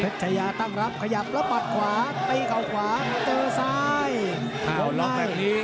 เพชยาตั้งรับขยับแล้วปลาดขวาไปเข่าขวาเจอซ้ายอ่าวลองแบบนี้